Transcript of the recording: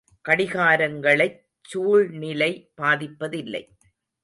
கடிகாரங்களைச் சூழ்நிலை பாதிப்பதில்லை.